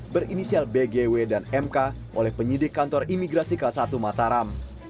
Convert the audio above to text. berinisial bgw dan mk oleh penyidik kantor imigrasi kelas satu mataram